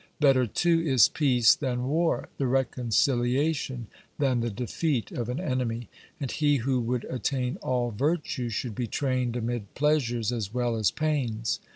Better, too, is peace than war; the reconciliation than the defeat of an enemy. And he who would attain all virtue should be trained amid pleasures as well as pains.